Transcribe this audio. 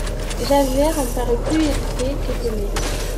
Javert en parut plus irrité qu’étonné.